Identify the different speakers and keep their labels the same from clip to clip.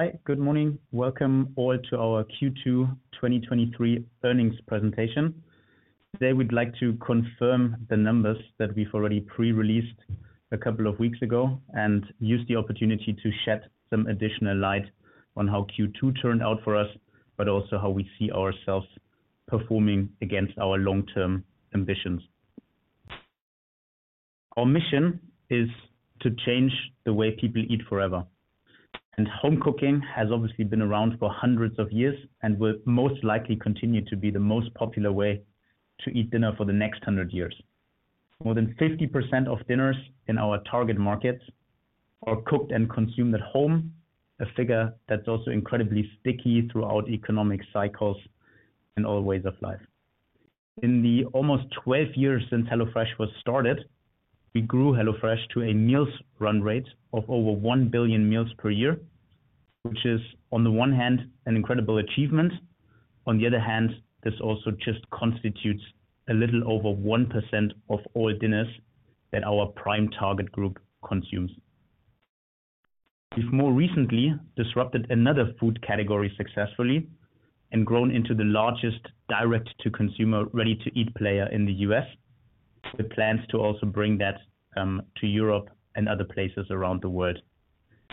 Speaker 1: Hi, good morning. Welcome all to our Q2 2023 earnings presentation. Today, we'd like to confirm the numbers that we've already pre-released a couple of weeks ago, use the opportunity to shed some additional light on how Q2 turned out for us, also how we see ourselves performing against our long-term ambitions. Our mission is to change the way people eat forever, home cooking has obviously been around for hundreds of years, will most likely continue to be the most popular way to eat dinner for the next hundred years. More than 50% of dinners in our target markets are cooked and consumed at home, a figure that's also incredibly sticky throughout economic cycles and all ways of life. In the almost 12 years since HelloFresh was started, we grew HelloFresh to a meals run rate of over 1 billion meals per year, which is, on the one hand, an incredible achievement. On the other hand, this also just constitutes a little over 1% of all dinners that our prime target group consumes. We've more recently disrupted another food category successfully and grown into the largest direct-to-consumer, ready-to-eat player in the U.S., with plans to also bring that to Europe and other places around the world.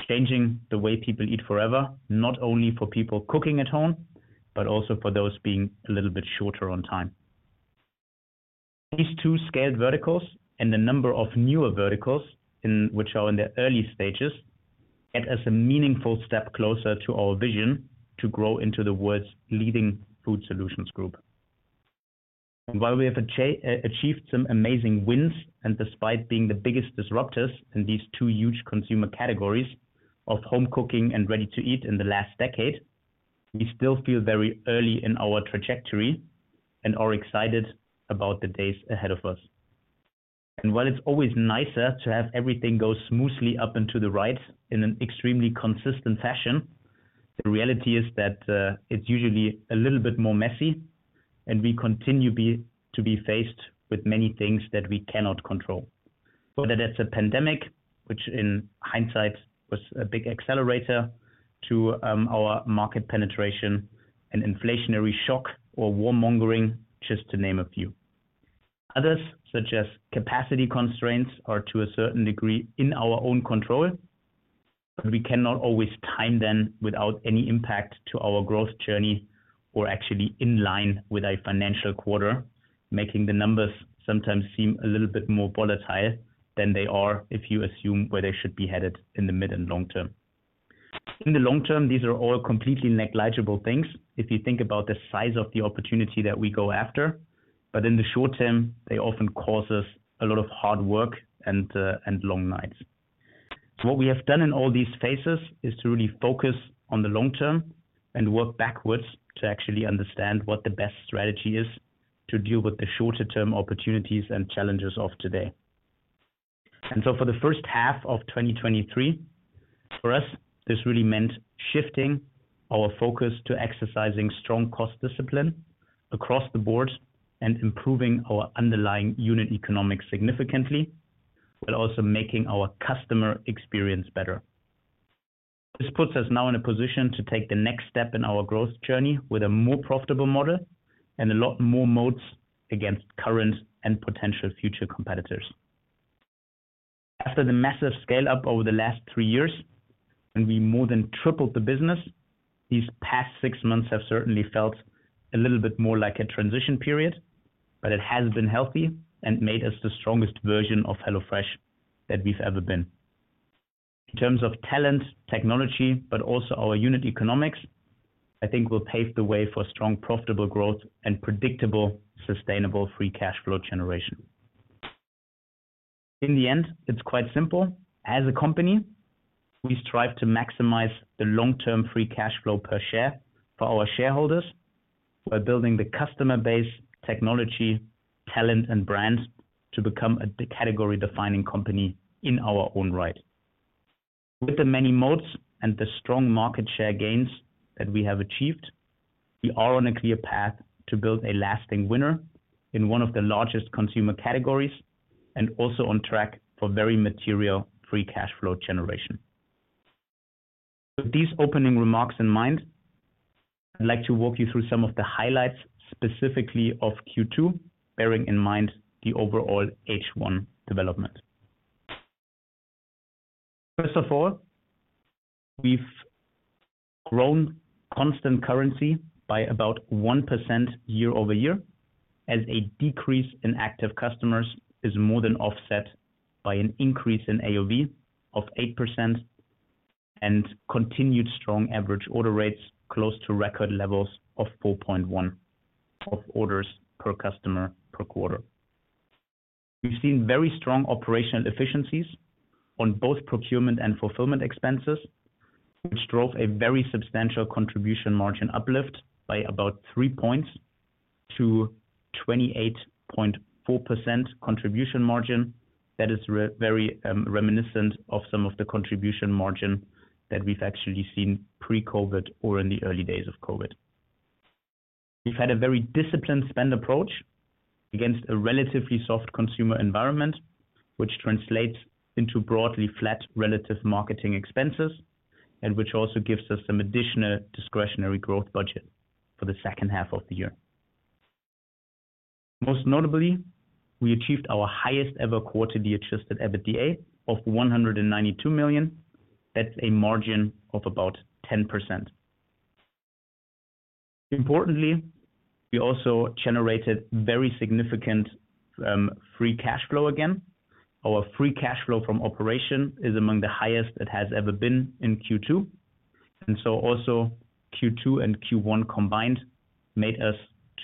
Speaker 1: Changing the way people eat forever, not only for people cooking at home, but also for those being a little bit shorter on time. These two scaled verticals and the number of newer verticals, in which are in their early stages, add as a meaningful step closer to our vision to grow into the world's leading food solutions group. While we have achieved some amazing wins, and despite being the biggest disruptors in these two huge consumer categories of home cooking and ready-to-eat in the last decade, we still feel very early in our trajectory and are excited about the days ahead of us. While it's always nicer to have everything go smoothly up into the right in an extremely consistent fashion, the reality is that it's usually a little bit more messy, and we continue to be faced with many things that we cannot control. Whether that's a pandemic, which in hindsight was a big accelerator to our market penetration and inflationary shock or warmongering, just to name a few. Others, such as capacity constraints, are to a certain degree in our own control. We cannot always time them without any impact to our growth journey or actually in line with a financial quarter, making the numbers sometimes seem a little bit more volatile than they are if you assume where they should be headed in the mid and long term. In the long term, these are all completely negligible things, if you think about the size of the opportunity that we go after. In the short term, they often cause us a lot of hard work and long nights. What we have done in all these phases is to really focus on the long term and work backwards to actually understand what the best strategy is to deal with the shorter term opportunities and challenges of today. For the first half of 2023, for us, this really meant shifting our focus to exercising strong cost discipline across the board and improving our underlying unit economics significantly, but also making our customer experience better. This puts us now in a position to take the next step in our growth journey with a more profitable model and a lot more moats against current and potential future competitors. After the massive scale-up over the last three years, when we more than tripled the business, these past six months have certainly felt a little bit more like a transition period, but it has been healthy and made us the strongest version of HelloFresh that we've ever been. In terms of talent, technology, but also our unit economics, I think will pave the way for strong, profitable growth and predictable, sustainable, free cash flow generation. In the end, it's quite simple. As a company, we strive to maximize the long-term free cash flow per share for our shareholders by building the customer base, technology, talent, and brands to become a category-defining company in our own right. With the many moats and the strong market share gains that we have achieved, we are on a clear path to build a lasting winner in one of the largest consumer categories, and also on track for very material free cash flow generation. With these opening remarks in mind, I'd like to walk you through some of the highlights, specifically of Q2, bearing in mind the overall H1 development. First of all, we've grown constant currency by about 1% year-over-year, as a decrease in active customers is more than offset by an increase in AOV of 8% and continued strong average order rates, close to record levels of 4.1 of orders per customer per quarter. We've seen very strong operational efficiencies on both procurement and fulfillment expenses, which drove a very substantial contribution margin uplift by about three points to 28.4% contribution margin. That is very reminiscent of some of the contribution margin that we've actually seen pre-COVID or in the early days of COVID. We've had a very disciplined spend approach against a relatively soft consumer environment, which translates into broadly flat relative marketing expenses, which also gives us some additional discretionary growth budget for the second half of the year. Most notably, we achieved our highest ever quarterly adjusted EBITDA of $192 million. That's a margin of about 10%. Importantly, we also generated very significant free cash flow again. Our free cash flow from operation is among the highest it has ever been in Q2. Also Q2 and Q1 combined, made us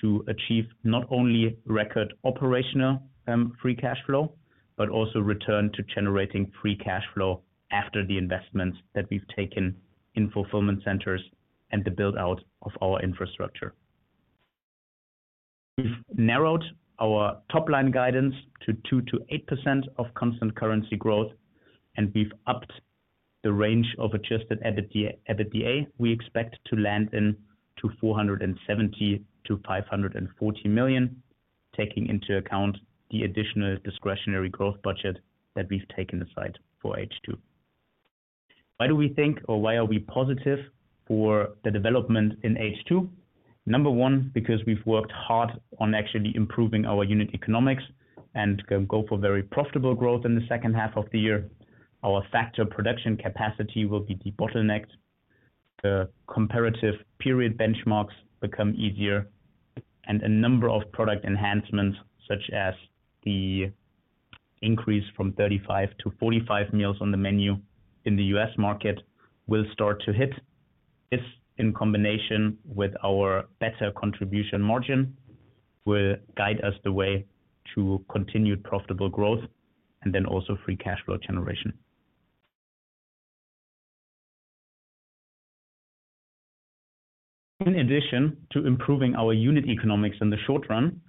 Speaker 1: to achieve not only record operational free cash flow, but also return to generating free cash flow after the investments that we've taken in fulfillment centers and the build-out of our infrastructure. We've narrowed our top-line guidance to 2%-8% of constant currency growth. We've upped the range of adjusted EBITDA, EBITDA. We expect to land in to $470 million-$540 million, taking into account the additional discretionary growth budget that we've taken aside for H2. Why do we think or why are we positive for the development in H2? Number one, because we've worked hard on actually improving our unit economics and can go for very profitable growth in the second half of the year. Our Factor production capacity will be debottlenecked. The comparative period benchmarks become easier, and a number of product enhancements, such as the increase from 35 meals to 45 meals on the menu in the U.S. market, will start to hit. This, in combination with our better contribution margin, will guide us the way to continued profitable growth and then also free cash flow generation. In addition to improving our unit economics in the short run,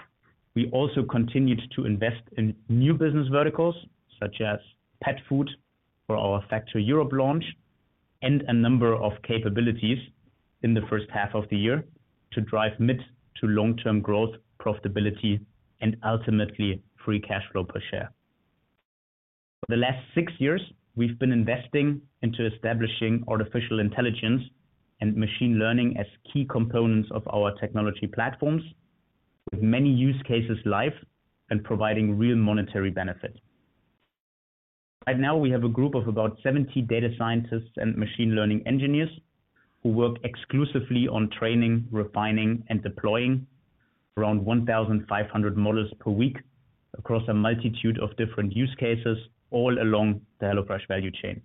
Speaker 1: we also continued to invest in new business verticals, such as pet food for our Factor Europe launch, and a number of capabilities in the first half of the year to drive mid- to long-term growth, profitability, and ultimately, free cash flow per share. For the last 6 years, we've been investing into establishing artificial intelligence and machine learning as key components of our technology platforms, with many use cases live and providing real monetary benefit. Right now, we have a group of about 70 data scientists and machine learning engineers, who work exclusively on training, refining, and deploying around 1,500 models per week across a multitude of different use cases all along the HelloFresh value chain.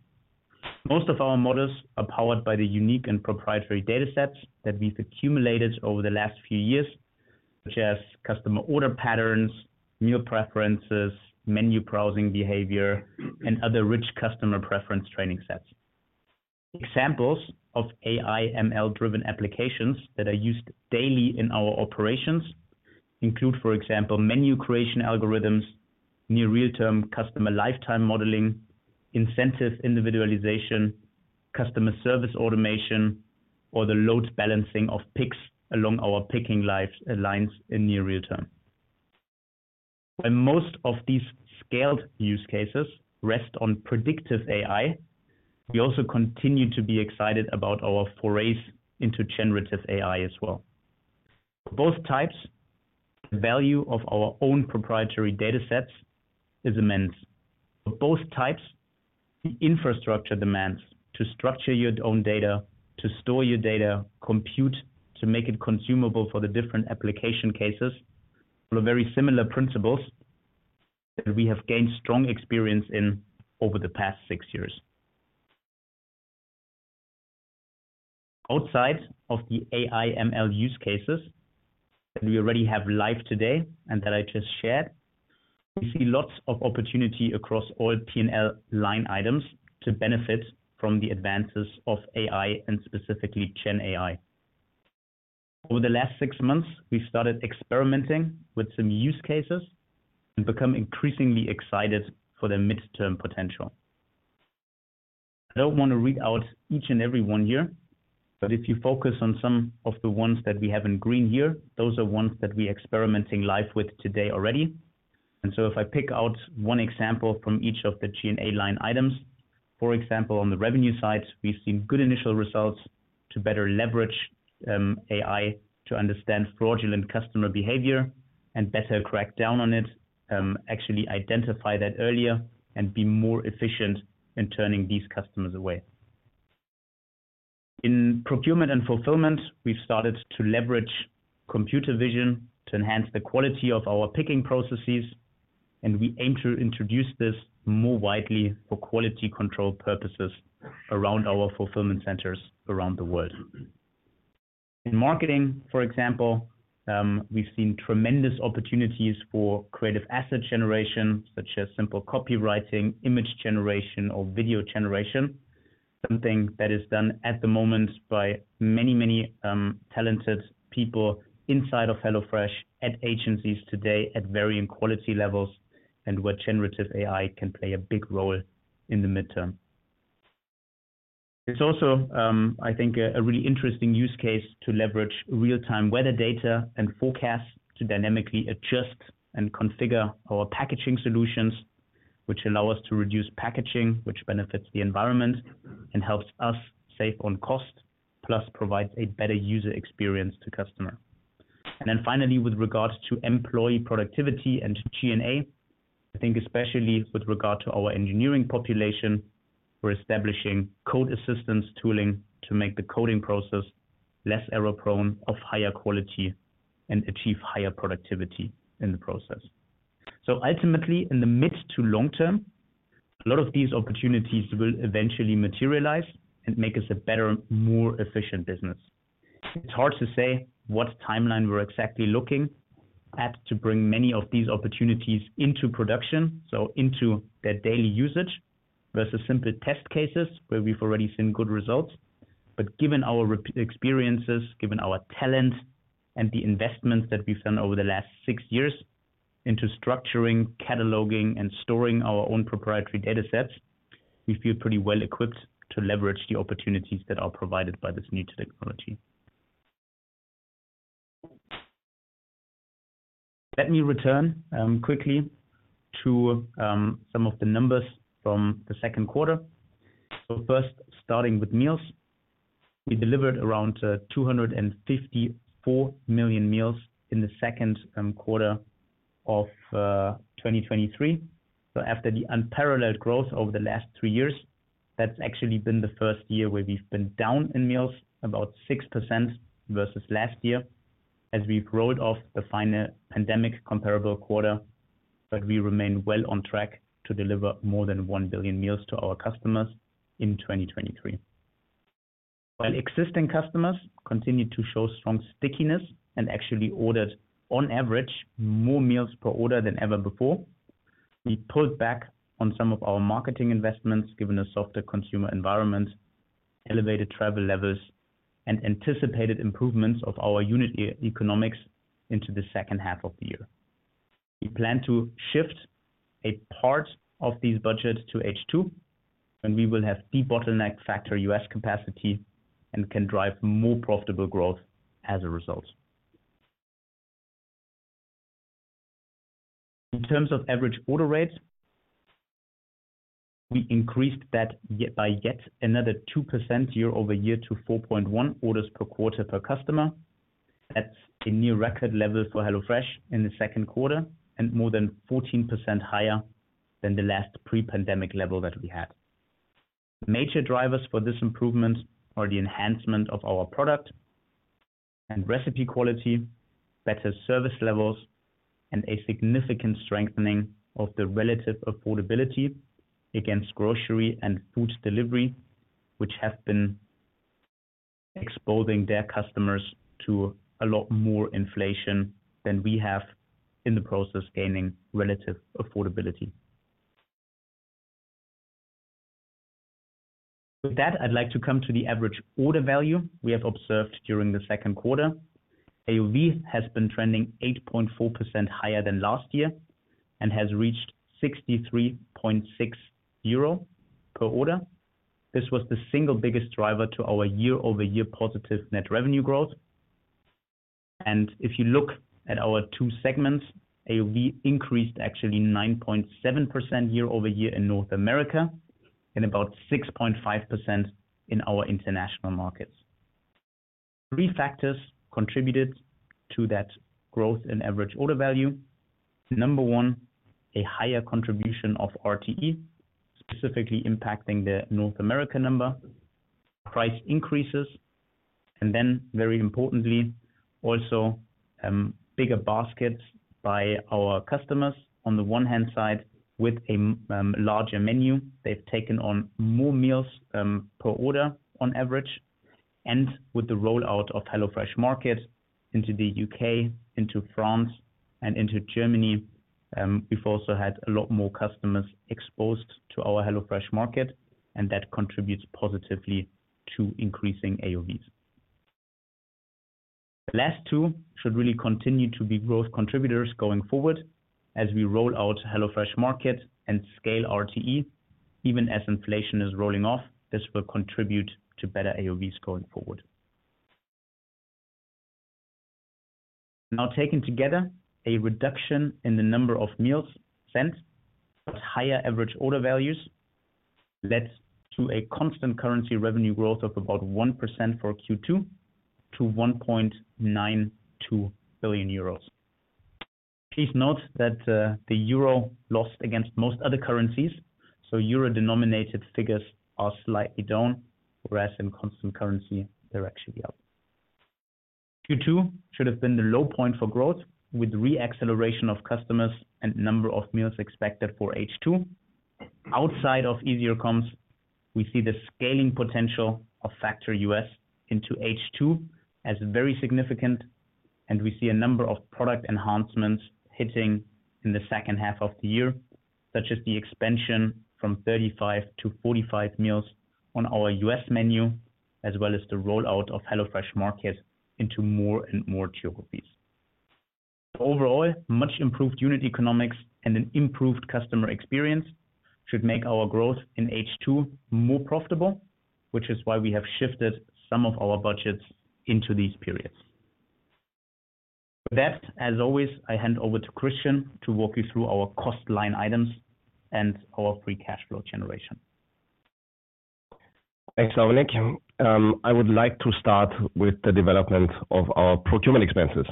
Speaker 1: Most of our models are powered by the unique and proprietary data sets that we've accumulated over the last few years, such as customer order patterns, meal preferences, menu browsing behavior, and other rich customer preference training sets. Examples of AI/ML-driven applications that are used daily in our operations include, for example, menu creation algorithms, near-real-time customer lifetime modeling, incentive individualization, customer service automation, or the load balancing of picks along our picking lines, lines in near real time. Most of these scaled use cases rest on predictive AI. We also continue to be excited about our forays into generative AI as well. For both types, the value of our own proprietary data sets is immense. For both types, the infrastructure demands to structure your own data, to store your data, compute, to make it consumable for the different application cases, follow very similar principles that we have gained strong experience in over the past six years. Outside of the AI/ML use cases that we already have live today and that I just shared, we see lots of opportunity across all P&L line items to benefit from the advances of AI and specifically GenAI. Over the last six months, we've started experimenting with some use cases and become increasingly excited for their midterm potential. I don't want to read out each and every one here, but if you focus on some of the ones that we have in green here, those are ones that we're experimenting live with today already. So if I pick out one example from each of the G&A line items, for example, on the revenue side, we've seen good initial results to better leverage AI to understand fraudulent customer behavior and better crack down on it, actually identify that earlier and be more efficient in turning these customers away. In procurement and fulfillment, we've started to leverage computer vision to enhance the quality of our picking processes, and we aim to introduce this more widely for quality control purposes around our fulfillment centers around the world. In marketing, for example, we've seen tremendous opportunities for creative asset generation, such as simple copywriting, image generation, or video generation. Something that is done at the moment by many, many talented people inside of HelloFresh at agencies today, at varying quality levels, and where generative AI can play a big role in the midterm. It's also, I think, a really interesting use case to leverage real-time weather data and forecasts to dynamically adjust and configure our packaging solutions, which allow us to reduce packaging, which benefits the environment and helps us save on cost, plus provides a better user experience to customer. Finally, with regards to employee productivity and G&A, I think especially with regard to our engineering population, we're establishing code assistance tooling to make the coding process less error-prone, of higher quality, and achieve higher productivity in the process. Ultimately, in the mid to long term, a lot of these opportunities will eventually materialize and make us a better, more efficient business. It's hard to say what timeline we're exactly looking at to bring many of these opportunities into production, so into their daily usage versus simply test cases, where we've already seen good results. Given our experiences, given our talent and the investments that we've done over the last six years into structuring, cataloging, and storing our own proprietary datasets, we feel pretty well equipped to leverage the opportunities that are provided by this new technology. Let me return quickly to some of the numbers from the second quarter. First, starting with meals, we delivered around 254 million meals in the second quarter of 2023. After the unparalleled growth over the last three years, that's actually been the first year where we've been down in meals, about 6% versus last year, as we've rolled off the final pandemic comparable quarter, but we remain well on track to deliver more than 1 billion meals to our customers in 2023. While existing customers continued to show strong stickiness and actually ordered, on average, more meals per order than ever before, we pulled back on some of our marketing investments, given the softer consumer environment, elevated travel levels, and anticipated improvements of our unit economics into the second half of the year. We plan to shift a part of these budgets to H2, when we will have deep bottleneck Factor U.S. capacity and can drive more profitable growth as a result. In terms of average order rates, we increased that yet another 2% year-over-year to 4.1 orders per quarter per customer. That's a new record level for HelloFresh in the second quarter and more than 14% higher than the last pre-pandemic level that we had. Major drivers for this improvement are the enhancement of our product and recipe quality, better service levels, and a significant strengthening of the relative affordability against grocery and food delivery, which have been exposing their customers to a lot more inflation than we have in the process, gaining relative affordability. With that, I'd like to come to the average order value we have observed during the second quarter. AOV has been trending 8.4% higher than last year and has reached 63.6 euro per order. This was the single biggest driver to our year-over-year positive net revenue growth. If you look at our two segments, AOV increased actually 9.7% year-over-year in North America and about 6.5% in our international markets. Three factors contributed to that growth in average order value. Number one, a higher contribution of RTE, specifically impacting the North American number. Price increases, and then very importantly, also, bigger baskets by our customers. On the one-hand side, with a, larger menu, they've taken on more meals per order on average. With the rollout of HelloFresh Market into the U.K., into France, and into Germany, we've also had a lot more customers exposed to our HelloFresh Market, and that contributes positively to increasing AOVs. The last two should really continue to be growth contributors going forward as we roll out HelloFresh Market and scale RTE. Even as inflation is rolling off, this will contribute to better AOVs going forward. Taken together, a reduction in the number of meals sent, but higher average order values led to a constant currency revenue growth of about 1% for Q2 to 1.92 billion euros. Please note that the euro lost against most other currencies, euro-denominated figures are slightly down, whereas in constant currency, they're actually up. Q2 should have been the low point for growth, with re-acceleration of customers and number of meals expected for H2. Outside of easier comps, we see the scaling potential of Factor U.S. into H2 as very significant, we see a number of product enhancements hitting in the second half of the year, such as the expansion from 35 meals to 45 meals on our U.S. menu, as well as the rollout of HelloFresh Market into more and more geographies. Overall, much improved unit economics and an improved customer experience should make our growth in H2 more profitable, which is why we have shifted some of our budgets into these periods. With that, as always, I hand over to Christian to walk you through our cost line items and our free cash flow generation.
Speaker 2: Thanks, Dominik. I would like to start with the development of our procurement expenses.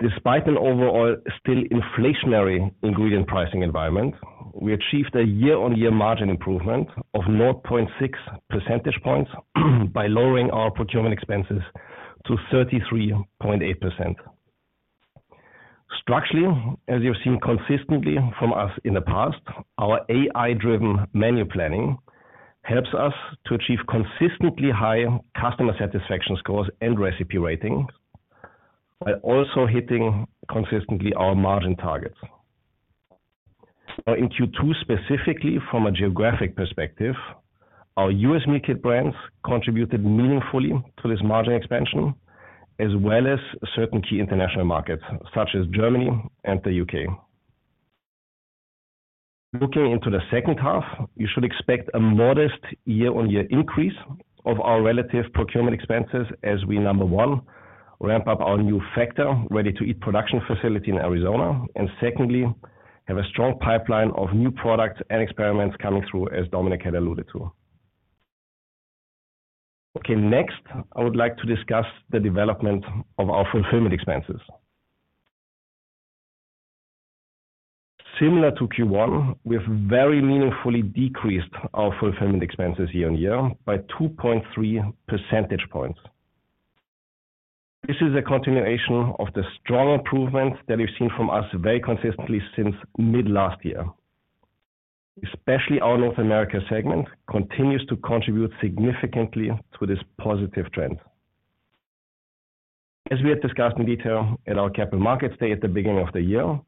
Speaker 2: Despite an overall still inflationary ingredient pricing environment, we achieved a year-on-year margin improvement of 0.6 percentage points, by lowering our procurement expenses to 33.8%. Structurally, as you've seen consistently from us in the past, our AI-driven menu planning helps us to achieve consistently high customer satisfaction scores and recipe ratings, while also hitting consistently our margin targets. Now in Q2, specifically from a geographic perspective, our U.S. meal kit brands contributed meaningfully to this margin expansion, as well as certain key international markets, such as Germany and the U.K. Looking into the second half, you should expect a modest year-on-year increase of our relative procurement expenses as we, number one, ramp up our new Factor, ready-to-eat production facility in Arizona, and secondly, have a strong pipeline of new products and experiments coming through, as Dominik had alluded to. Okay, next, I would like to discuss the development of our fulfillment expenses. Similar to Q1, we have very meaningfully decreased our fulfillment expenses year-on-year by 2.3 percentage points. This is a continuation of the strong improvements that you've seen from us very consistently since mid last year. Especially our North America segment, continues to contribute significantly to this positive trend. As we have discussed in detail at our Capital Markets Day at the beginning of the year,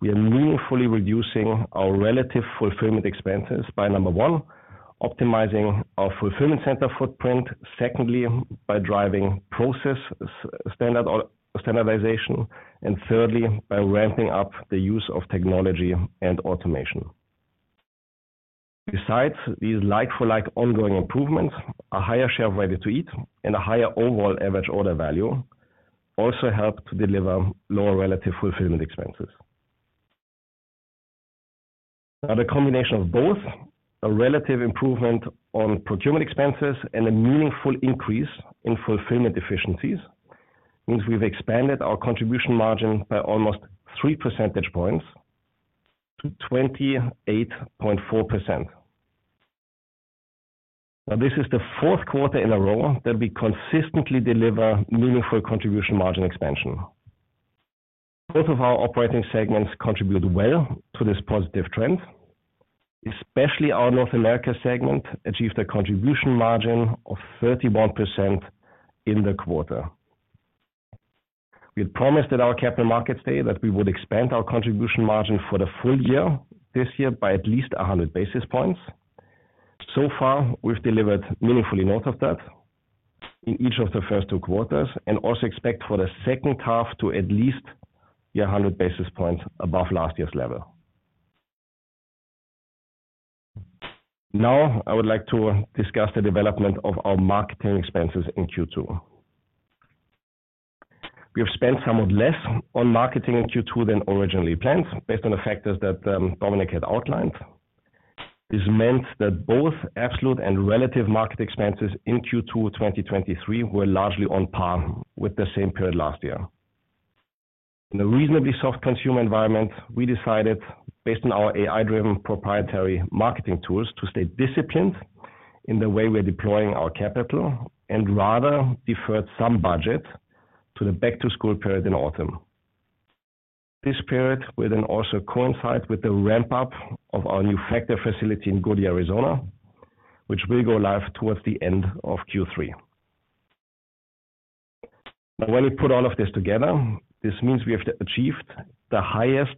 Speaker 2: we are meaningfully reducing our relative fulfillment expenses by, number one, optimizing our fulfillment center footprint, secondly, by driving process standardization, and thirdly, by ramping up the use of technology and automation. Besides these like for like ongoing improvements, a higher share of ready-to-eat and a higher overall average order value also helped to deliver lower relative fulfillment expenses. Now, the combination of both a relative improvement on procurement expenses and a meaningful increase in fulfillment efficiencies, means we've expanded our contribution margin by almost 3 percentage points to 28.4%. Now, this is the fourth quarter in a row that we consistently deliver meaningful contribution margin expansion. Both of our operating segments contribute well to this positive trend. Especially our North America segment, achieved a contribution margin of 31% in the quarter. We had promised at our Capital Markets Day that we would expand our contribution margin for the full year, this year, by at least 100 basis points. So far, we've delivered meaningfully more of that in each of the first two quarters, and also expect for the second half to at least be 100 basis points above last year's level. Now, I would like to discuss the development of our marketing expenses in Q2. We have spent somewhat less on marketing in Q2 than originally planned, based on the factors that Dominik had outlined. This meant that both absolute and relative market expenses in Q2 2023 were largely on par with the same period last year. In a reasonably soft consumer environment, we decided, based on our AI-driven proprietary marketing tools, to stay disciplined in the way we're deploying our capital, rather deferred some budget to the back-to-school period in autumn. This period will also coincide with the ramp-up of our new Factor facility in Goodyear, Arizona, which will go live towards the end of Q3. When we put all of this together, this means we have achieved the highest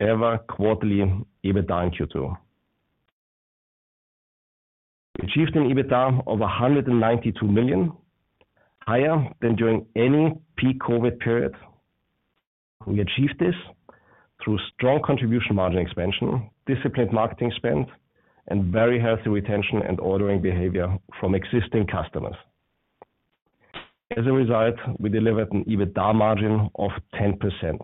Speaker 2: ever quarterly EBITDA in Q2. We achieved an EBITDA of 192 million, higher than during any peak COVID period. We achieved this through strong contribution margin expansion, disciplined marketing spend, and very healthy retention and ordering behavior from existing customers. As a result, we delivered an EBITDA margin of 10%.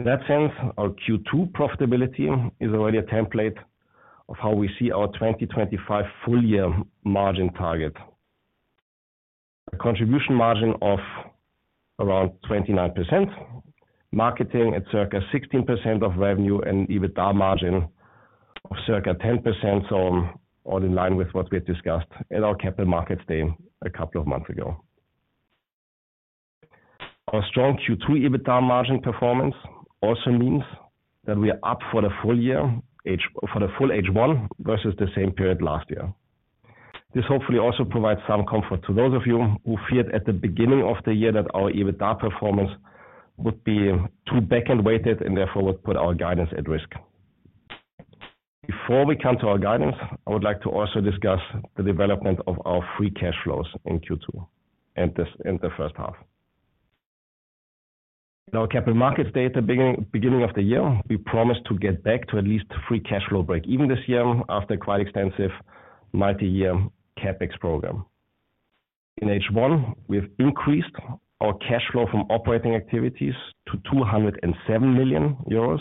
Speaker 2: In that sense, our Q2 profitability is already a template of how we see our 2025 full year margin target. A contribution margin of around 29%, marketing at circa 16% of revenue and EBITDA margin of circa 10%, so all in line with what we had discussed at our Capital Markets Day a couple of months ago. Our strong Q2 EBITDA margin performance also means that we are up for the full year, for the full H1 versus the same period last year. This hopefully also provides some comfort to those of you who feared at the beginning of the year that our EBITDA performance would be too back-end weighted and therefore would put our guidance at risk. Before we come to our guidance, I would like to also discuss the development of our free cash flows in Q2 and this, in the first half. In our Capital Markets Day, at the beginning of the year, we promised to get back to at least free cash flow break-even this year, after quite extensive multi-year CapEx program. In H1, we have increased our cash flow from operating activities to 207 million euros,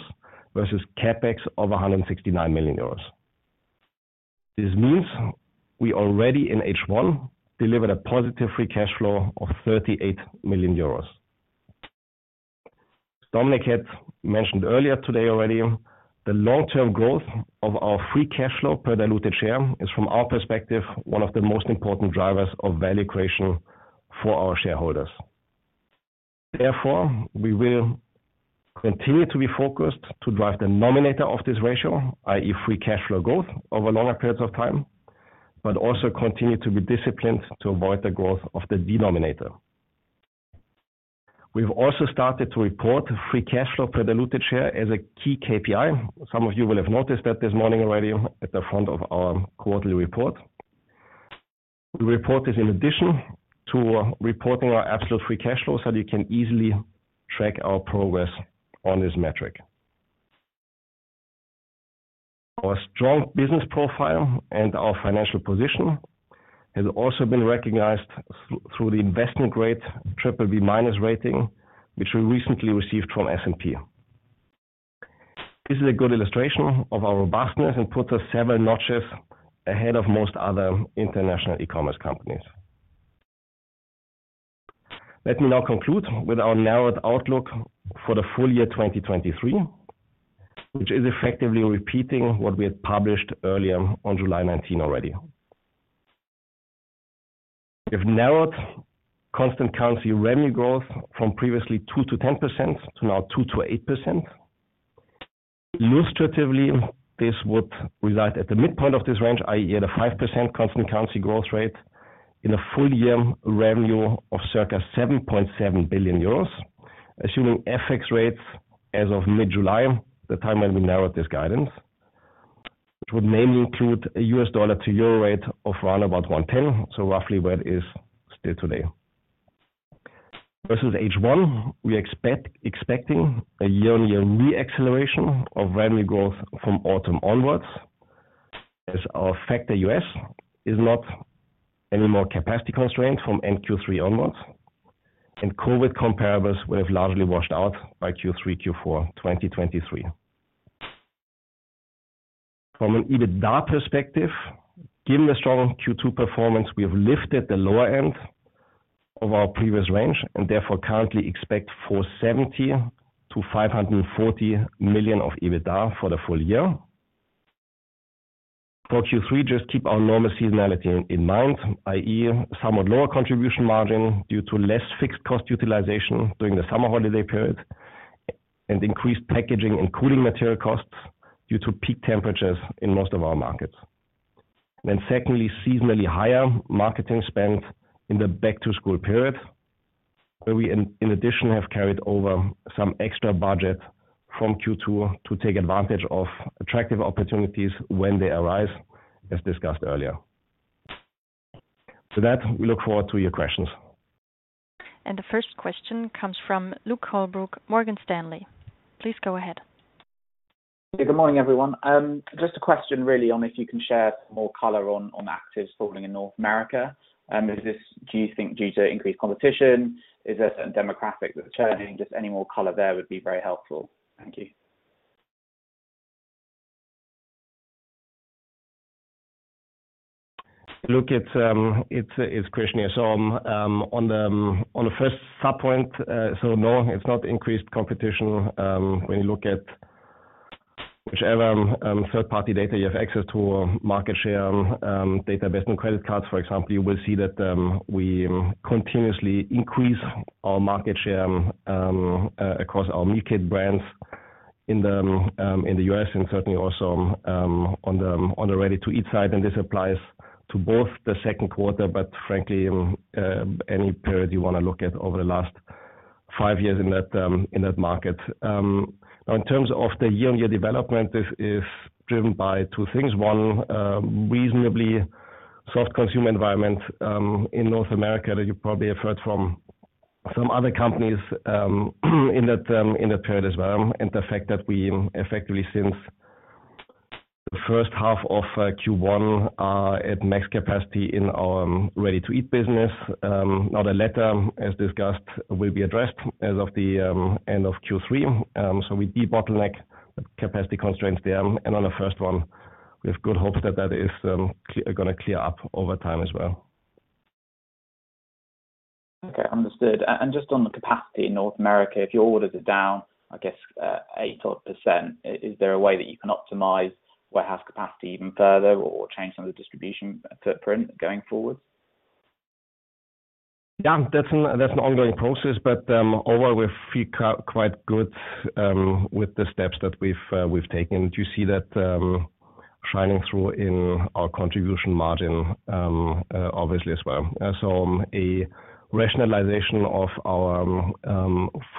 Speaker 2: versus CapEx of 169 million euros. This means we already in H1, delivered a positive free cash flow of 38 million euros. Dominik had mentioned earlier today already, the long-term growth of our free cash flow per diluted share, is from our perspective, one of the most important drivers of value creation for our shareholders. We will continue to be focused to drive the nominator of this ratio, i.e., free cash flow growth over longer periods of time, but also continue to be disciplined to avoid the growth of the denominator. We've also started to report free cash flow per diluted share as a key KPI. Some of you will have noticed that this morning already at the front of our quarterly report. We report this in addition to reporting our absolute free cash flow, so that you can easily track our progress on this metric. Our strong business profile and our financial position, has also been recognized through the investment grade BBB- rating, which we recently received from S&P. This is a good illustration of our robustness and puts us several notches ahead of most other international e-commerce companies. Let me now conclude with our narrowed outlook for the full year 2023, which is effectively repeating what we had published earlier on July 19 already. We've narrowed constant currency revenue growth from previously 2%-10%, to now 2%-8%. Illustratively, this would result at the midpoint of this range, i.e., at a 5% constant currency growth rate in a full year revenue of circa 7.7 billion euros, assuming FX rates as of mid-July, the time when we narrowed this guidance, which would mainly include a U.S. dollar to euro rate of around about 1.10, roughly where it is still today. Versus H1, we expecting a year-on-year re-acceleration of revenue growth from autumn onwards, as our Factor U.S. is not any more capacity constrained from Q3 onwards, and COVID comparables will have largely washed out by Q3, Q4, 2023. From an EBITDA perspective, given the strong Q2 performance, we have lifted the lower end of our previous range, therefore, currently expect 470 million-540 million of EBITDA for the full year. For Q3, just keep our normal seasonality in mind, i.e., somewhat lower contribution margin due to less fixed cost utilization during the summer holiday period, and increased packaging and cooling material costs, due to peak temperatures in most of our markets. Secondly, seasonally higher marketing spend in the back-to-school period, where we, in addition, have carried over some extra budget from Q2 to take advantage of attractive opportunities when they arise, as discussed earlier. We look forward to your questions.
Speaker 3: The first question comes from Luke Holbrook, Morgan Stanley. Please go ahead.
Speaker 4: Good morning, everyone. Just a question, really, on if you can share some more color on, on actives falling in North America. Is this, do you think, due to increased competition? Is there a certain demographic that's changing? Just any more color there would be very helpful. Thank you.
Speaker 2: Luke, it's, it's Christian here. On the, on the first subpoint, no, it's not increased competition. When you look at whichever third-party data you have access to, market share data, investment, credit cards, for example, you will see that we continuously increase our market share across our new kid brands in the U.S., and certainly also on the ready-to-eat side, and this applies to both the second quarter, but frankly, any period you want to look at over the last five years in that market. Now, in terms of the year-on-year development, this is driven by two things. One, a reasonably soft consumer environment in North America, that you probably have heard from some other companies in that period as well. The fact that we effectively, since the first half of Q1, are at max capacity in our ready-to-eat business. Now the letter, as discussed, will be addressed as of the end of Q3. We debottleneck capacity constraints there. On the first one, we have good hopes that that is clear, gonna clear up over time as well.
Speaker 4: Okay, understood. Just on the capacity in North America, if your orders are down, I guess, 8% odd, is there a way that you can optimize warehouse capacity even further or, or change some of the distribution footprint going forward?
Speaker 2: Yeah, that's an, that's an ongoing process, but overall, we feel quite good with the steps that we've taken. You see that shining through in our contribution margin, obviously as well. A rationalization of our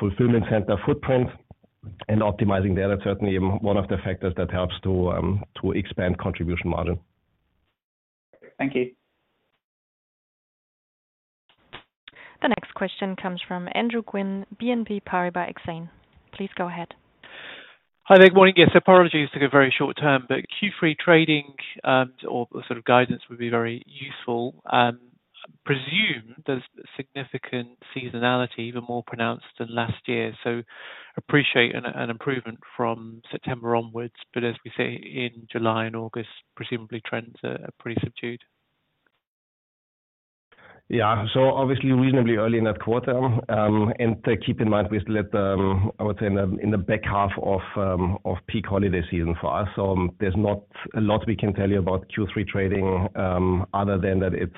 Speaker 2: fulfillment center footprint and optimizing there, that's certainly one of the factors that helps to expand contribution margin.
Speaker 4: Thank you.
Speaker 3: The next question comes from Andrew Gwynn, BNP Paribas Exane. Please go ahead.
Speaker 5: Hi there. Good morning. Yes, apologies, took a very short term, but Q3 trading, or sort of guidance would be very useful. I presume there's significant seasonality, even more pronounced than last year, appreciate an improvement from September onwards, but as we say, in July and August, presumably trends are pretty subdued.
Speaker 2: Yeah. Obviously reasonably early in that quarter. Keep in mind, we still at the, I would say, in the, in the back half of peak holiday season for us. There's not a lot we can tell you about Q3 trading, other than that, it's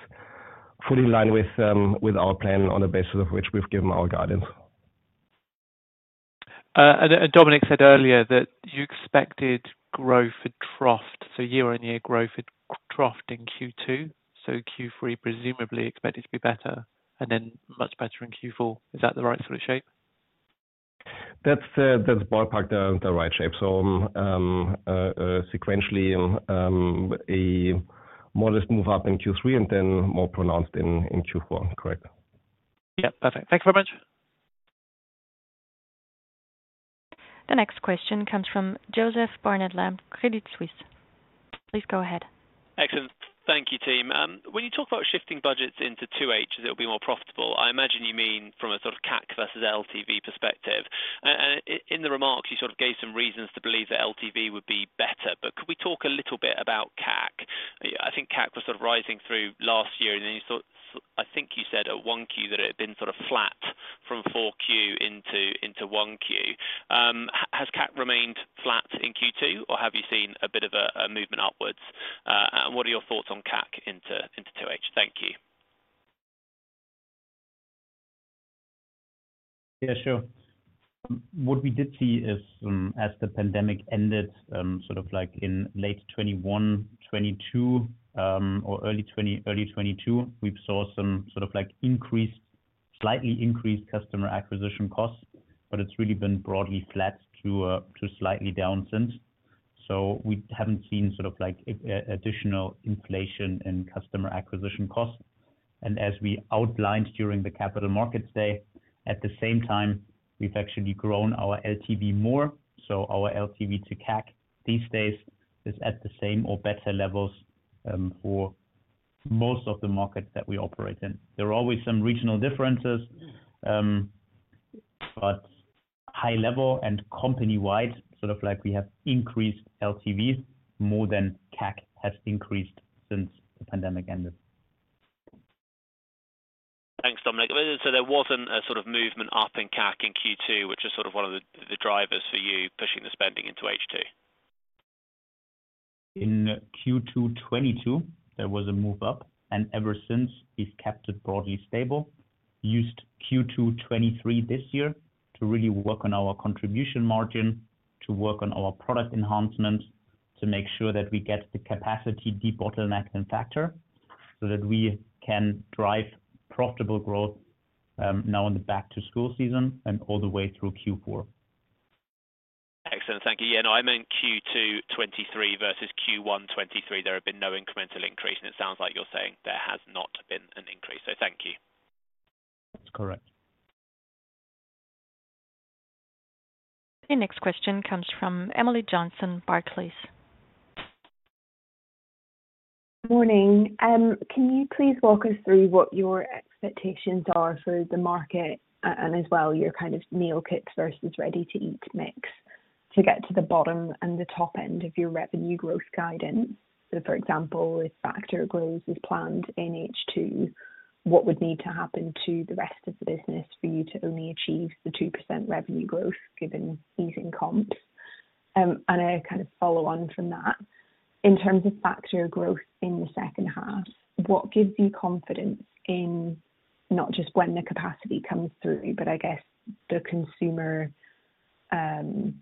Speaker 2: fully in line with our plan on the basis of which we've given our guidance.
Speaker 5: Dominik said earlier that you expected growth at trough, so year-on-year growth at trough in Q2, so Q3 presumably expected to be better and then much better in Q4. Is that the right sort of shape?
Speaker 2: That's, that's ballpark the, the right shape. Sequentially, a modest move up in Q3 and then more pronounced in, in Q4. Correct.
Speaker 5: Yeah, perfect. Thanks very much.
Speaker 3: The next question comes from Joseph Barnet-Lamb, Credit Suisse. Please go ahead.
Speaker 6: Excellent. Thank you, team. When you talk about shifting budgets into 2H, it'll be more profitable. I imagine you mean from a sort of CAC versus LTV perspective. In, in the remarks, you sort of gave some reasons to believe that LTV would be better, but could we talk a little bit about CAC? I think CAC was sort of rising through last year, then I think you said at 1Q that it had been sort of flat from 4Q into, into 1Q. Has CAC remained flat in Q2, or have you seen a bit of a, a movement upwards? What are your thoughts on CAC into, into 2H? Thank you.
Speaker 1: Yeah, sure. What we did see is, as the pandemic ended, sort of like in late 2021, 2022, or early 2020, early 2022, we saw some sort of like increased, slightly increased customer acquisition costs, but it's really been broadly flat to slightly down since. We haven't seen sort of like additional inflation in customer acquisition costs. As we outlined during the Capital Markets Day, at the same time, we've actually grown our LTV more, so our LTV to CAC these days is at the same or better levels, for most of the markets that we operate in. There are always some regional differences, but high level and company-wide, sort of like we have increased LTVs more than CAC has increased since the pandemic ended.
Speaker 6: Thanks, Dominik. There wasn't a sort of movement up in CAC in Q2, which is sort of one of the, the drivers for you pushing the spending into H2.
Speaker 1: In Q2 2022, there was a move up, and ever since, we've kept it broadly stable. Used Q2 2023 this year to really work on our contribution margin, to work on our product enhancements, to make sure that we get the capacity, debottleneck and Factor, so that we can drive profitable growth, now in the back-to-school season and all the way through Q4.
Speaker 6: Excellent. Thank you. Yeah, no, I'm in Q2 2023 versus Q1 2023, there have been no incremental increase, and it sounds like you're saying there has not been an increase. Thank you.
Speaker 1: Correct.
Speaker 3: The next question comes from Emily Johnson, Barclays.
Speaker 7: Morning. Can you please walk us through what your expectations are for the market and as well, your kind of meal kits versus ready-to-eat mix to get to the bottom and the top end of your revenue growth guidance? For example, if Factor grows as planned in H2, what would need to happen to the rest of the business for you to only achieve the 2% revenue growth given easing comps? A kind of follow on from that, in terms of Factor growth in the second half, what gives you confidence in not just when the capacity comes through, but I guess, the consumer, kind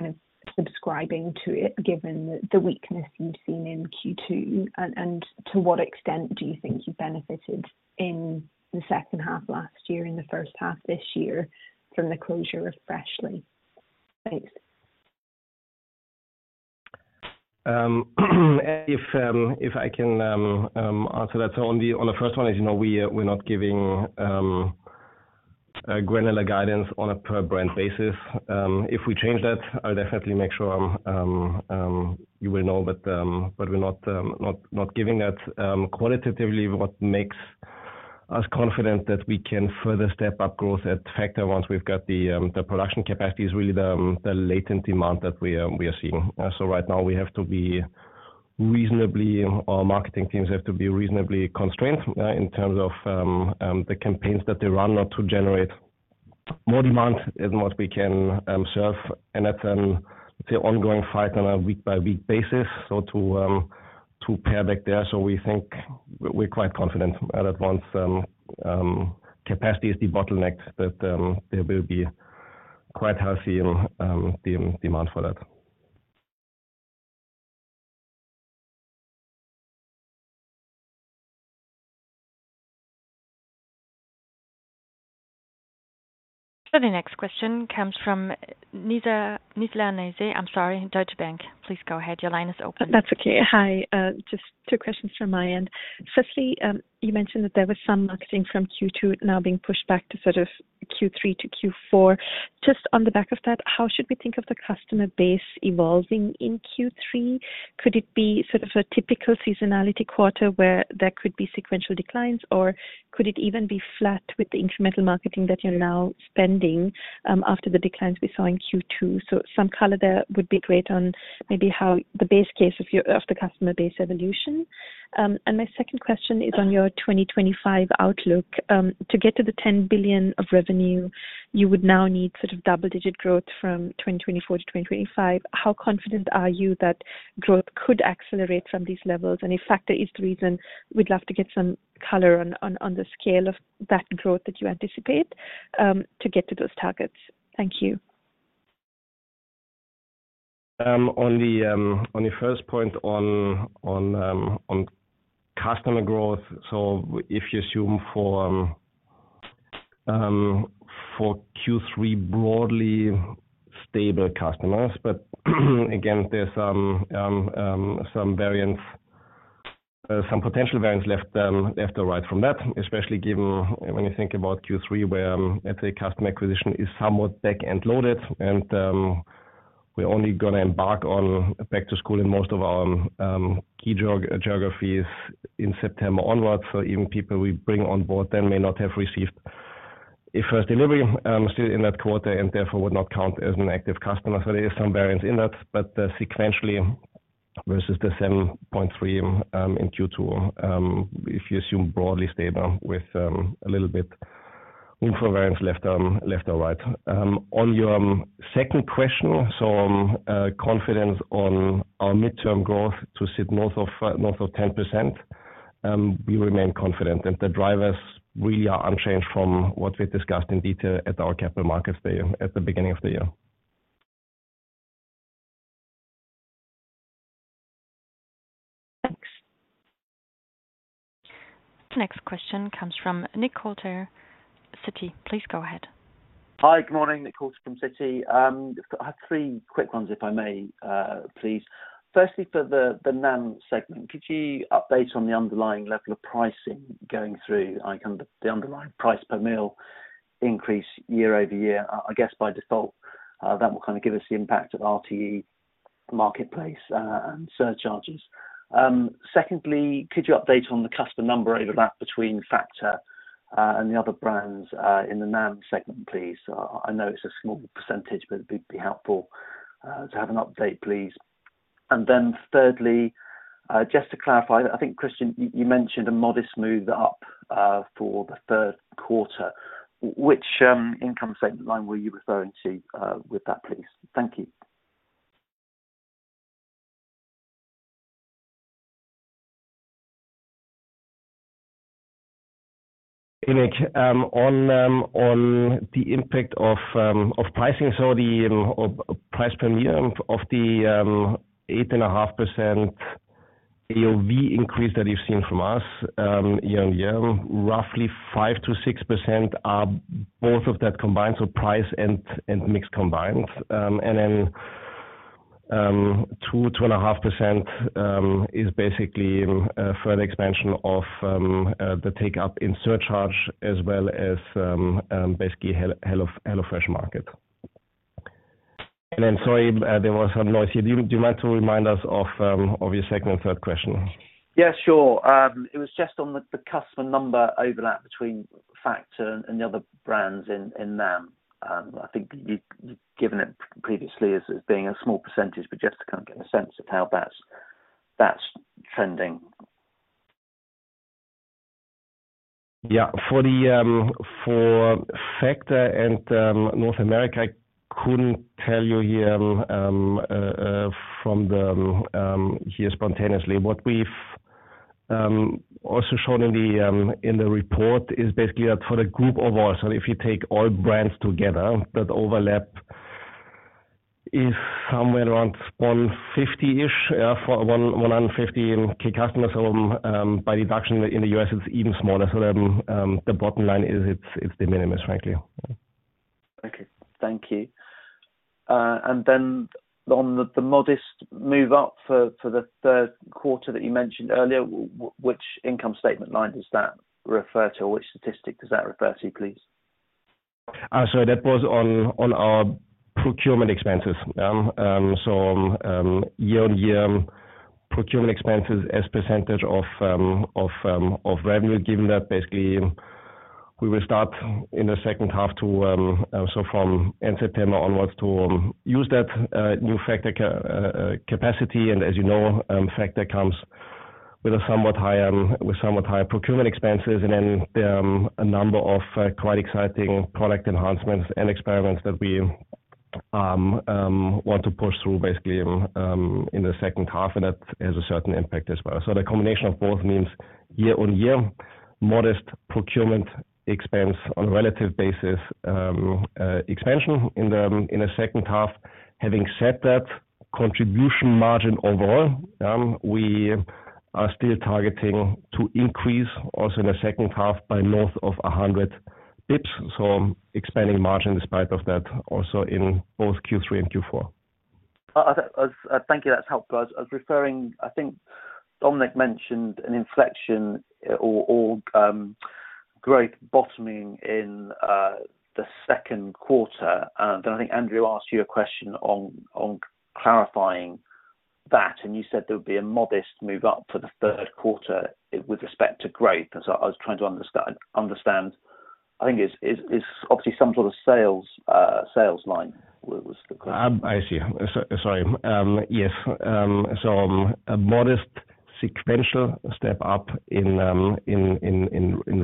Speaker 7: of subscribing to it, given the weakness you've seen in Q2, and to what extent do you think you benefited in the second half last year, in the first half this year from the closure of Freshly? Thanks.
Speaker 2: If I can answer that. On the, on the first one, as you know, we're, we're not giving granular guidance on a per-brand basis. If we change that, I'll definitely make sure you will know, but we're not giving that. Qualitatively, what makes us confident that we can further step up growth at Factor once we've got the production capacity is really the latent demand that we are seeing. Right now we have to be reasonably, our marketing teams have to be reasonably constrained, in terms of the campaigns that they run, not to generate more demand as much we can serve. That's the ongoing fight on a week-by-week basis, so to pair back there. We think we're quite confident that once capacity is debottlenecked, that there will be quite healthy demand for that.
Speaker 3: The next question comes from Nizla Naizer, I'm sorry, Deutsche Bank. Please go ahead. Your line is open.
Speaker 8: That's okay. Hi, just two questions from my end. Firstly, you mentioned that there was some marketing from Q2 now being pushed back to sort of Q3 to Q4. Just on the back of that, how should we think of the customer base evolving in Q3? Could it be sort of a typical seasonality quarter where there could be sequential declines, or could it even be flat with the incremental marketing that you're now spending after the declines we saw in Q2? Some color there would be great on maybe how the base case of your, of the customer base evolution. My second question is on your 2025 outlook. To get to the 10 billion of revenue, you would now need sort of double-digit growth from 2024 to 2025. How confident are you that growth could accelerate from these levels? If Factor is the reason, we'd love to get some color on, on, on the scale of that growth that you anticipate, to get to those targets. Thank you.
Speaker 2: On the first point on customer growth, if you assume for Q3, broadly stable customers, but again, there's some variance, some potential variance left, left to right from that, especially given when you think about Q3, where, let's say customer acquisition is somewhat back-end loaded. We're only gonna embark on back-to-school in most of our key geographies in September onwards. Even people we bring on board then may not have received a first delivery still in that quarter, and therefore, would not count as an active customer. There is some variance in that, but sequentially versus the 7.3 in Q2, if you assume broadly stable with a little bit room for variance left, left or right. On your second question, so, confidence on our midterm growth to sit north of, north of 10%, we remain confident, and the drivers really are unchanged from what we discussed in detail at our Capital Markets Day at the beginning of the year.
Speaker 8: Thanks.
Speaker 3: The next question comes from Nick Coulter, Citi. Please go ahead.
Speaker 9: Hi, good morning. Nick Coulter from Citi. I have three quick ones, if I may, please. Firstly, for the NAM segment, could you update on the underlying level of pricing going through, like, the underlying price per meal increase year-over-year? I guess by default, that will kinda give us the impact of RTE marketplace and surcharges. Secondly, could you update on the customer number overlap between Factor and the other brands in the NAM segment, please? I know it's a small percentage, but it'd be helpful to have an update, please. Thirdly, just to clarify, I think, Christian, you mentioned a modest move up for the third quarter. Which income statement line were you referring to with that, please? Thank you.
Speaker 2: Nick, on the on the impact of of pricing, so the of price per meal of the 8.5% AOV increase that you've seen from us, year on year, roughly 5%-6% are both of that combined, so price and mixed combined. Then, 2%-2.5% is basically further expansion of the take up in surcharge as well as basically HelloFresh Market. I'm sorry, there was some noise here. Do you, do you mind to remind us of your second and third question?
Speaker 9: Yeah, sure. It was just on the, the customer number overlap between Factor and the other brands in, in NAM. I think you've given it previously as, as being a small percentage, but just to kind of get a sense of how that's, that's trending.
Speaker 2: Yeah. For the, for Factor and, North America, I couldn't tell you here spontaneously. What we've also shown in the report is basically that for the group overall, so if you take all brands together, that overlap is somewhere around 150-ish, for 150 key customers. By deduction in the U.S., it's even smaller. The bottom line is, it's, it's de minimis, frankly.
Speaker 9: Okay. Thank you. On the, the modest move up for, for the third quarter that you mentioned earlier, which income statement line does that refer to, or which statistic does that refer to, please?
Speaker 2: So that was on, on our procurement expenses. So, year on year, procurement expenses as % of revenue, given that basically we will start in the second half to, so from end September onwards, to use that new Factor capacity. As you know, Factor comes with a somewhat high, with somewhat high procurement expenses, and then a number of quite exciting product enhancements and experiments that we want to push through basically in the second half, and that has a certain impact as well. The combination of both means year on year, modest procurement expense on a relative basis, expansion in the second half. Having said that. contribution margin overall, we are still targeting to increase also in the second half by north of 100 basis points. Expanding margin despite of that, also in both Q3 and Q4.
Speaker 9: Thank you. That's helpful. I was referring. I think Dominik mentioned an inflection or growth bottoming in the second quarter. I think Andrew asked you a question on clarifying that, and you said there would be a modest move up for the third quarter with respect to growth. I was trying to understand, I think it's obviously some sort of sales line, was the question.
Speaker 2: I see. So- sorry. Yes. A modest sequential step up in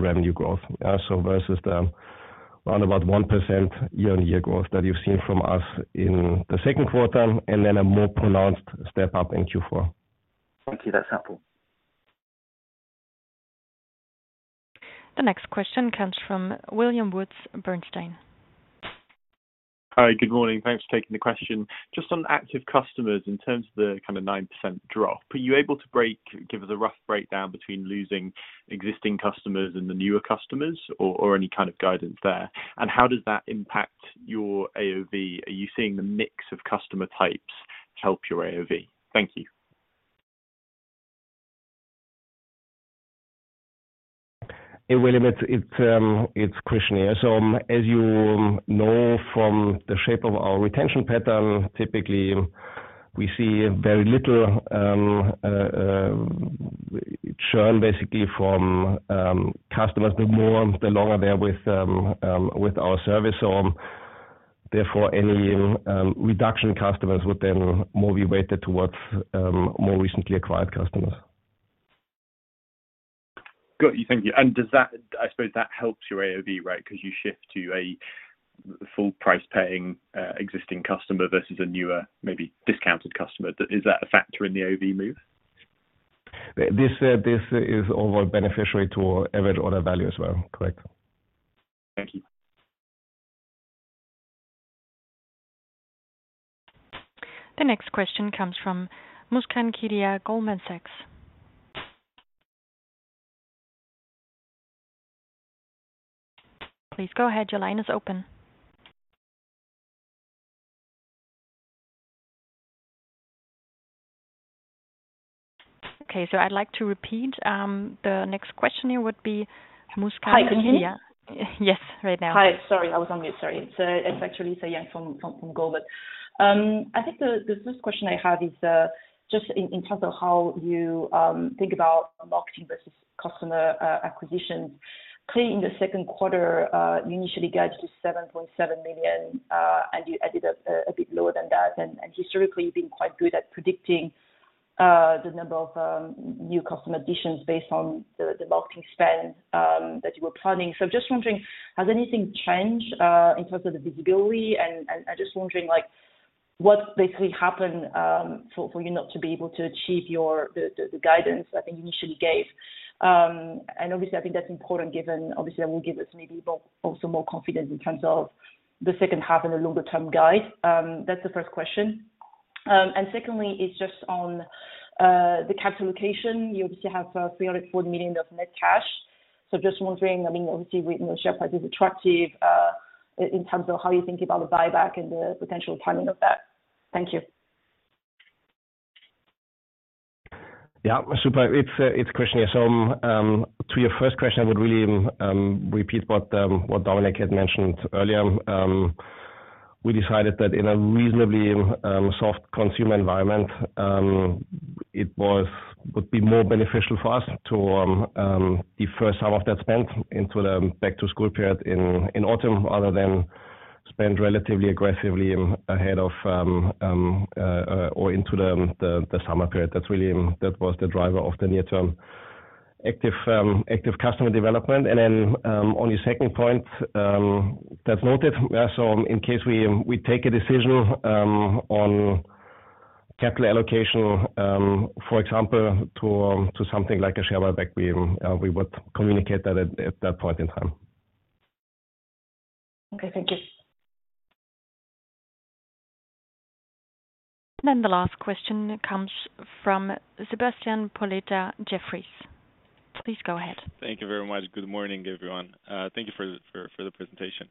Speaker 2: revenue growth. Versus the round about 1% year-on-year growth that you've seen from us in the second quarter, and then a more pronounced step-up in Q4.
Speaker 9: Thank you. That's helpful.
Speaker 3: The next question comes from William Woods, Bernstein.
Speaker 10: Hi, good morning. Thanks for taking the question. Just on active customers, in terms of the kind of 9% drop, are you able to give us a rough breakdown between losing existing customers and the newer customers, or any kind of guidance there? How does that impact your AOV? Are you seeing the mix of customer types help your AOV? Thank you.
Speaker 2: Hey, William, it's Christian here. As you know from the shape of our retention pattern, typically we see very little churn, basically, from customers, the more, the longer they're with with our service. Therefore, any reduction customers would then more be weighted towards more recently acquired customers.
Speaker 10: Got you. Thank you. Does that I suppose that helps your AOV, right? Because you shift to a full price paying existing customer versus a newer, maybe discounted customer. Is that a factor in the AOV move?
Speaker 2: This, this is overall beneficiary to average order value as well. Correct.
Speaker 10: Thank you.
Speaker 3: The next question comes from Muskan Kedia, Goldman Sachs. Please go ahead. Your line is open. Okay, so I'd like to repeat, the next question here would be Muskan Kedia. Hi, can you hear me? Yes, right now.
Speaker 11: Hi. Sorry, I was on mute. Sorry. It's actually it's Muskan from, from Goldman. I think the first question I have is just in terms of how you think about marketing versus customer acquisition. Clearly, in the second quarter, you initially guided to 7.7 million, and you ended up a bit lower than that. Historically, you've been quite good at predicting the number of new customer additions based on the marketing spend that you were planning. Just wondering, has anything changed in terms of the visibility? I just wondering, like, what basically happened for you not to be able to achieve your the guidance I think you initially gave? Obviously, I think that's important, given, obviously, that will give us maybe also more confidence in terms of the second half and the longer-term guide. That's the first question. Secondly, is just on the capital allocation. You obviously have 340 million of net cash. Just wondering, I mean, obviously, with the share price is attractive, in terms of how you think about the buyback and the potential timing of that. Thank you.
Speaker 2: Yeah, super. It's Christian here. To your first question, I would really repeat what Dominik had mentioned earlier. We decided that in a reasonably soft consumer environment, it would be more beneficial for us to defer some of that spend into the back-to-school period in autumn, other than spend relatively aggressively ahead of or into the summer period. That's really that was the driver of the near term. Active active customer development. On your second point, that's noted. In case we take a decision on capital allocation, for example, to something like a share buyback, we would communicate that at that point in time.
Speaker 11: Okay, thank you.
Speaker 3: The last question comes from Sebastian Patulea, Jefferies. Please go ahead.
Speaker 12: Thank you very much. Good morning, everyone. thank you for, for, for the presentation.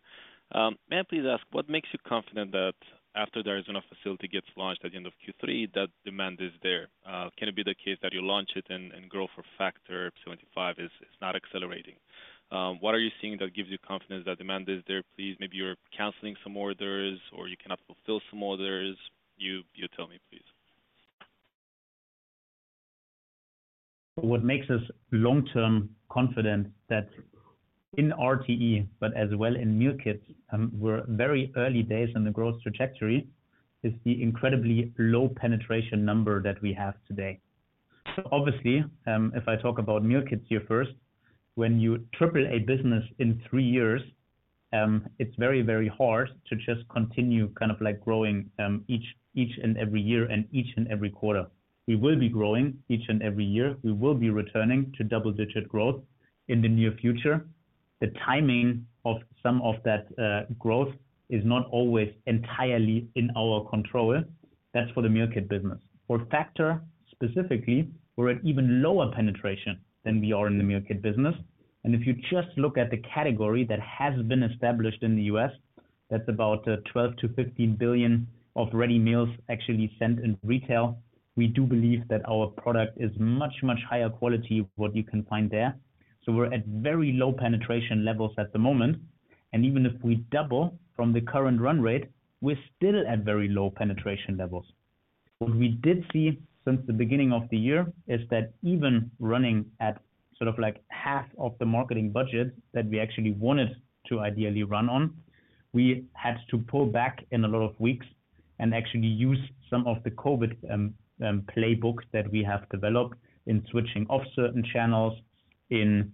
Speaker 12: may I please ask, what makes you confident that after the Arizona facility gets launched at the end of Q3, that demand is there? can it be the case that you launch it and, and growth for Factor 25 is, is not accelerating? what are you seeing that gives you confidence that demand is there, please? Maybe you're canceling some orders, or you cannot fulfill some orders. You, you tell me, please.
Speaker 1: What makes us long-term confident that in RTE, but as well in meal kits, we're very early days in the growth trajectory, is the incredibly low penetration number that we have today. Obviously, if I talk about meal kits here first, when you triple a business in three years, it's very, very hard to just continue, kind of like, growing, each and every year and each and every quarter. We will be growing each and every year. We will be returning to double-digit growth in the near future. The timing of some of that growth is not always entirely in our control. That's for the meal kit business. For Factor specifically, we're at even lower penetration than we are in the meal kit business, and if you just look at the category that has been established in the U.S., that's about $12 billion-$15 billion of ready meals actually sent in retail. We do believe that our product is much, much higher quality, what you can find there. We're at very low penetration levels at the moment, and even if we double from the current run rate, we're still at very low penetration levels. What we did see since the beginning of the year is that even running at sort of like, half of the marketing budget that we actually wanted to ideally run on, we had to pull back in a lot of weeks and actually use some of the COVID playbooks that we have developed in switching off certain channels, in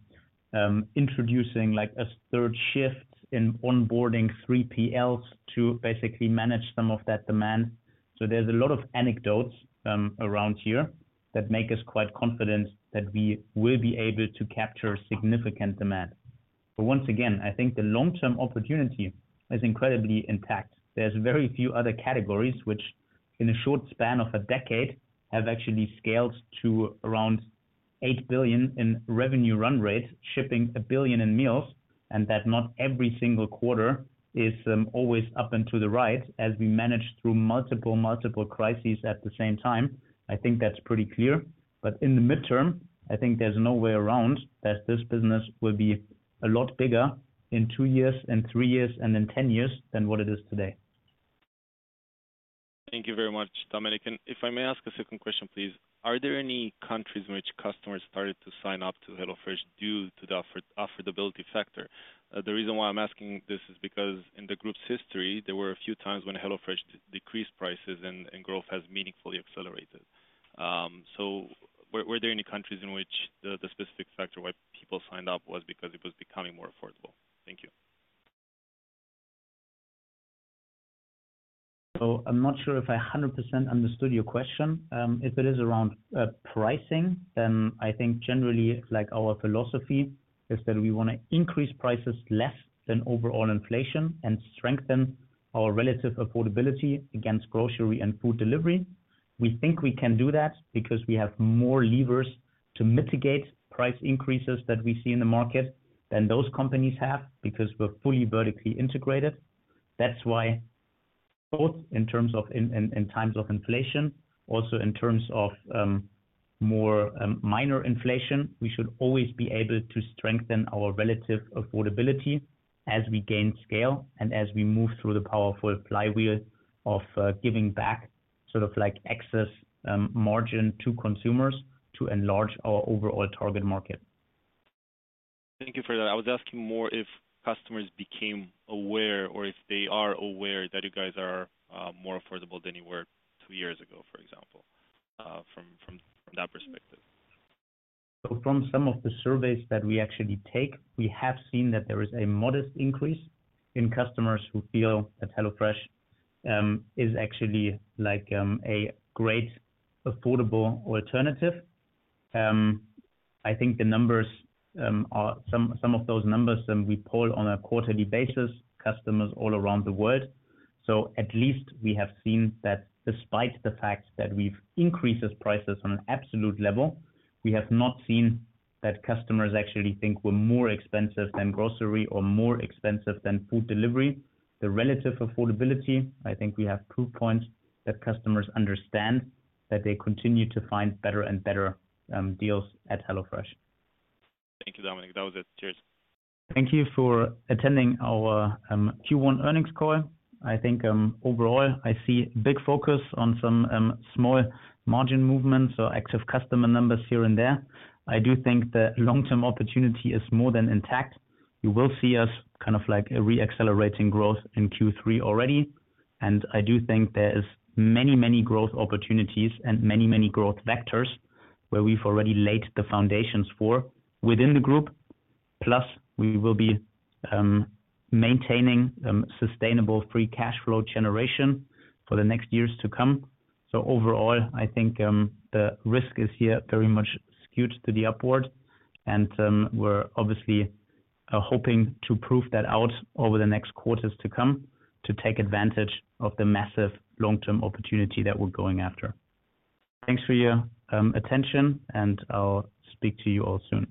Speaker 1: introducing like a third shift in onboarding 3PLs to basically manage some of that demand. There's a lot of anecdotes around here, that make us quite confident that we will be able to capture significant demand. Once again, I think the long-term opportunity is incredibly intact. There's very few other categories which, in a short span of a decade, have actually scaled to around $8 billion in revenue run rate, shipping 1 billion in meals, and that not every single quarter is always up and to the right as we manage through multiple, multiple crises at the same time. I think that's pretty clear. In the midterm, I think there's no way around, as this business will be a lot bigger in two years and three years, and in 10 years than what it is today.
Speaker 12: Thank you very much, Dominik. If I may ask a second question, please. Are there any countries in which customers started to sign up to HelloFresh due to the affordability factor? The reason why I'm asking this is because in the group's history, there were a few times when HelloFresh decreased prices and growth has meaningfully accelerated. Were there any countries in which the specific factor why people signed up was because it was becoming more affordable? Thank you.
Speaker 1: I'm not sure if I 100% understood your question. If it is around pricing, then I think generally our philosophy is that we wanna increase prices less than overall inflation and strengthen our relative affordability against grocery and food delivery. We think we can do that because we have more levers to mitigate price increases that we see in the market than those companies have, because we're fully vertically integrated. That's why both in terms of in, in, in times of inflation, also in terms of more minor inflation, we should always be able to strengthen our relative affordability as we gain scale and as we move through the powerful flywheel of giving back excess margin to consumers to enlarge our overall target market.
Speaker 12: Thank you for that. I was asking more if customers became aware or if they are aware that you guys are more affordable than you were 2 years ago, for example, from, from, from that perspective.
Speaker 1: From some of the surveys that we actually take, we have seen that there is a modest increase in customers who feel that HelloFresh is actually like a great affordable alternative. I think the numbers, some of those numbers we poll on a quarterly basis, customers all around the world. At least we have seen that despite the fact that we've increased prices on an absolute level, we have not seen that customers actually think we're more expensive than grocery or more expensive than food delivery. The relative affordability, I think we have proof points that customers understand, that they continue to find better and better deals at HelloFresh.
Speaker 12: Thank you, Dominik. That was it. Cheers.
Speaker 1: Thank you for attending our Q1 earnings call. I think overall, I see big focus on some small margin movements or active customer numbers here and there. I do think the long-term opportunity is more than intact. You will see us kind of like a re-accelerating growth in Q3 already, and I do think there is many, many growth opportunities and many, many growth vectors where we've already laid the foundations for within the group. Plus, we will be maintaining sustainable free cash flow generation for the next years to come. Overall, I think the risk is here very much skewed to the upward, and we're obviously hoping to prove that out over the next quarters to come to take advantage of the massive long-term opportunity that we're going after. Thanks for your attention, and I'll speak to you all soon.